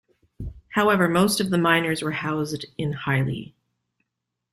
However, most of the miners were housed in Highley.